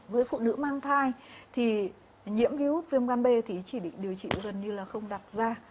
với phụ nữ mang thai thì nhiễm viếu hút viêm ngăn bê thì chỉ định điều trị gần như là không đặt ra